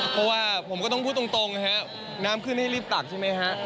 เพราะว่าผมก็ต้องพูดตรงนะฮะน้ำขึ้นให้รีบตักใช่ไหมฮะ